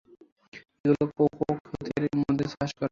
এগুলো কোকো খেতের মধ্যে চাষ করা হয়।